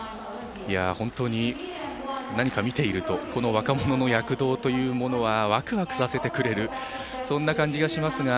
本当に何か見ているとこの若者の躍動というものはワクワクさせてくれるそんな感じがします。